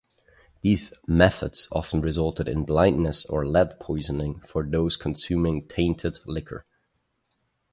These methods often resulted in blindness or lead poisoning for those consuming tainted liquor.